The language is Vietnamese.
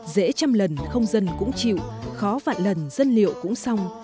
dễ trăm lần không dân cũng chịu khó vạn lần dân liệu cũng xong